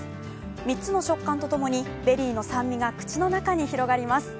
３つの食感とともにベリーの酸味が口の中に広がります。